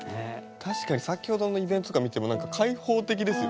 確かに先ほどのイベントとか見ても何か開放的ですよね。